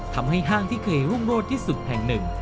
ทำให้ห้างที่เคยร่วมรวดที่สุดแห่งหนึ่ง